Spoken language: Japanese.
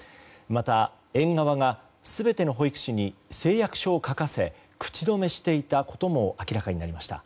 また、園側が全ての保育士に誓約書を書かせ口止めしていたことも明らかになりました。